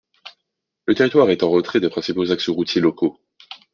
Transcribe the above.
Le territoire est en retrait des principaux axes routiers locaux.